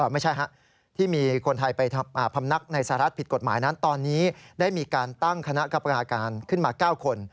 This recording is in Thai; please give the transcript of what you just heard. ไม่ใช่ครับที่มีคนไทยไปพำนักในสหรัฐผิดกฎหมายนั้นตอนนี้ได้มีการตั้งคณะกรรมการขึ้นมา๙คน